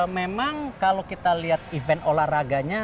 memang kalau kita lihat event olahraganya